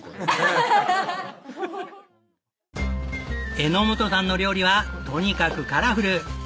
榎本さんの料理はとにかくカラフル。